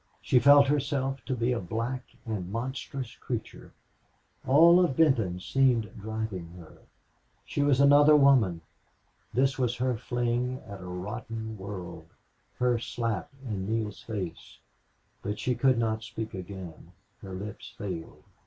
She felt herself to be a black and monstrous creature. All of Benton seemed driving her. She was another woman. This was her fling at a rotten world, her slap in Neale's face. But she could not speak again; her lips failed.